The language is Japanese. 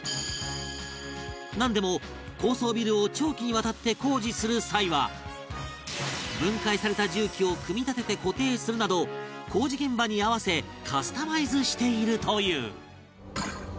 なんでも高層ビルを長期にわたって工事する際は分解された重機を組み立てて固定するなど工事現場に合わせカスタマイズしているという